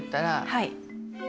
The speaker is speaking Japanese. はい。